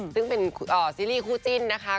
ซึ่งเป็นซีรีส์คู่จิ้นนะคะ